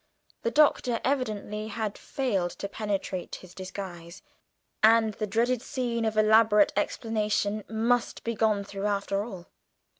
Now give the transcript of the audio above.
The Doctor evidently had failed to penetrate his disguise, and the dreaded scene of elaborate explanation must be gone through after all.